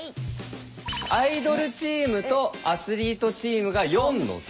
アイドルチームとアスリートチームが４の「象」。